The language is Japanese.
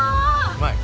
うまい？